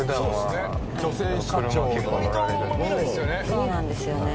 そうなんですよね。